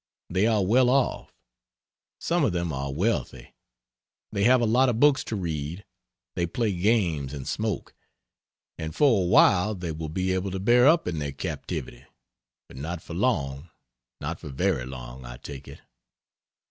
They are well off; some of them are wealthy. They have a lot of books to read, they play games and smoke, and for awhile they will be able to bear up in their captivity; but not for long, not for very long, I take it.